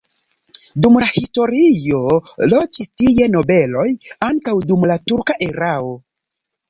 Dum la historio loĝis tie nobeloj, ankaŭ dum la turka erao.